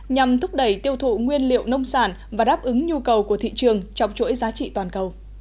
nhằm thúc đẩy tiêu thụ nguyên liệu nông sản và đáp ứng nhu cầu của thị trường trong chuỗi giá trị toàn cầu